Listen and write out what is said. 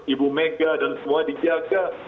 ibu mega dan semua dijaga